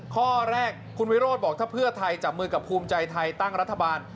ข้อแรกคุณวิโรธบอกถ้าเพื่อไทยจับมือกับภูมิใจไทยตั้งรัฐบาล